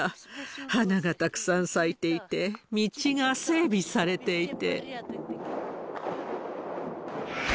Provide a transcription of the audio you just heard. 花がたくさん咲いていて、道が整備されていて。